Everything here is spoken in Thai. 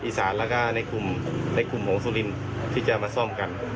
อีสานแล้วก็ในกลุ่มในกลุ่มของสุรินทร์ที่จะมาซ่อมกัน